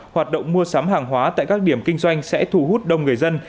hoạt động mua sắm hàng hóa tại các điểm kinh doanh sẽ thu hút đông người dân